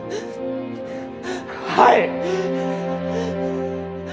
はい。